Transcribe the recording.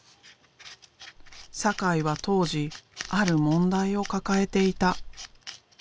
酒井は当時ある問題を抱えていた。